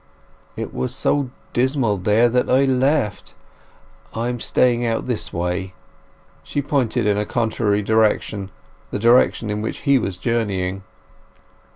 "It was so dismal there that I left! I am staying out this way." She pointed in a contrary direction, the direction in which he was journeying.